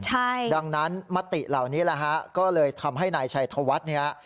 ใช่ดังนั้นมติเหล่านี้แหละฮะก็เลยทำให้นายชัยธวัฒน์เนี่ย